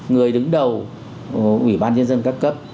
người đứng đầu ủy ban nhân dân cao cấp